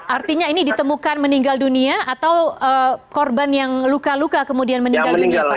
artinya ini ditemukan meninggal dunia atau korban yang luka luka kemudian meninggal dunia pak